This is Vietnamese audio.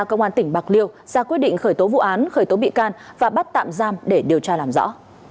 công an tỉnh bạc liêu ra quyết định khởi tố vụ án khởi tố bị can và bắt tạm giam để điều tra làm rõ